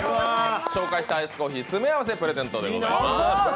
紹介したアイスコーヒー、詰め合わせプレゼントでございます。